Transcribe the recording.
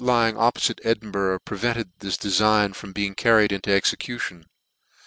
lying oppofite Edinburgh, prevented this defign from being carried into execution. .